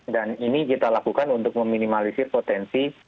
dan ne kita lakukan untuk meminimalisir potensi